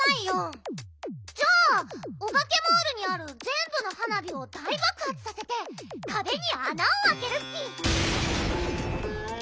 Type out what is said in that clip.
じゃあオバケモールにあるぜんぶの花火を大ばくはつさせてかべにあなをあけるッピ。